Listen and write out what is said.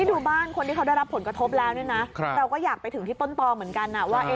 ดูบ้านคนที่เขาได้รับผลกระทบแล้วเนี่ยนะเราก็อยากไปถึงที่ต้นตอเหมือนกันนะว่า